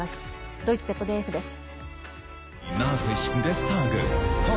ドイツＺＤＦです。